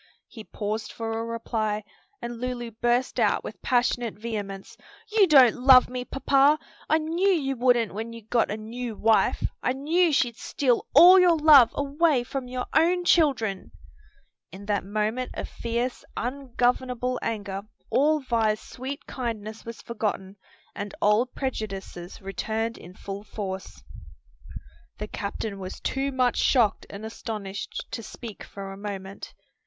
He paused for a reply, and Lulu burst out with passionate vehemence, "You don't love me, papa! I knew you wouldn't when you got a new wife. I knew she'd steal all your love away from your own children!" In that moment of fierce, ungovernable anger all Vi's sweet kindness was forgotten and old prejudices returned in full force. The captain was too much shocked and astonished to speak for a moment.